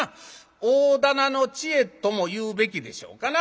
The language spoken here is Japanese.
大店の知恵とも言うべきでしょうかな。